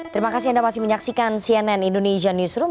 terima kasih anda masih menyaksikan cnn indonesia newsroom